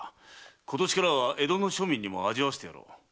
今年からは江戸の庶民にも味わわせてやろう。